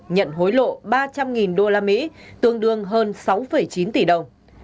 nhận hối lộ ba trăm linh usd tương đương hơn sáu chín tỷ đồng